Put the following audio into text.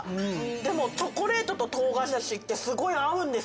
でもチョコレートと唐辛子ってすごい合うんですね。